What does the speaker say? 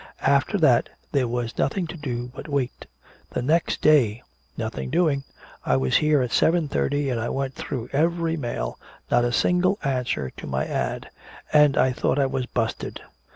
After that there was nothing to do but wait. The next day nothing doing! I was here at seven thirty and I went through every mail. Not a single answer to my 'ad' and I thought I was busted!